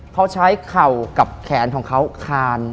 เขาใช้เข่ากับแขนของเขาคาน